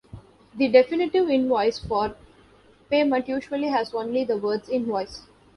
The definitive invoice for payment usually has only the words "invoice".